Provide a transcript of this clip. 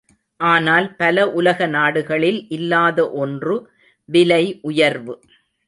ஆனால் பல உலக நாடுகளில் இல்லாத ஒன்று விலை உயர்வு.